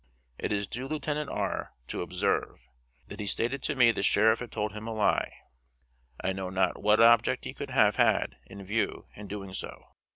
It is due Lieutenant R. to observe, that he stated to me the Sheriff had told him a lie. I know not what object he could have had in view in doing so.